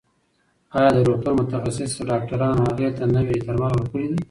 ایا د روغتون متخصص ډاکټرانو هغې ته نوي درمل ورکړي دي؟